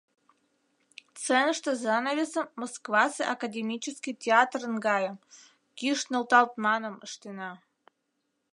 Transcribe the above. Сценыште занавесым Москвасе академический театрын гайым, кӱш нӧлталманым, ыштена.